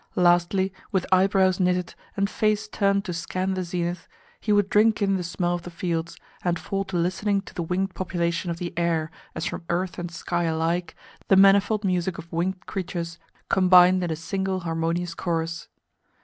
Lastly, with eyebrows knitted, and face turned to scan the zenith, he would drink in the smell of the fields, and fall to listening to the winged population of the air as from earth and sky alike the manifold music of winged creatures combined in a single harmonious chorus.